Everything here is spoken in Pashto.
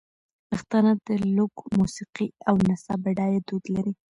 پښتانه د لوک موسیقۍ او نڅا بډایه دود لري.